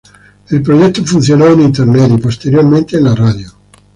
El proyecto funcionó en internet, y posteriormente en la radio.